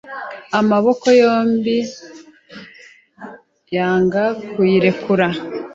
amaboko yombiyanga kuyirekura